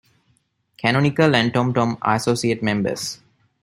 Canonical and TomTom are Associate Members.